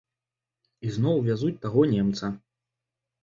Ізноў вязуць таго немца.